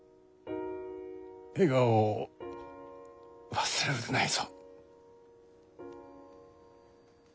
笑顔を忘れるでないぞ。